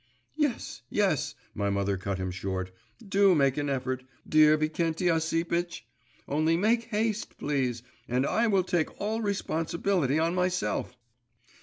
… 'Yes, yes,' my mother cut him short, 'do make an effort, dear Vikenty Osipitch! Only make haste, please, and I will take all responsibility on myself!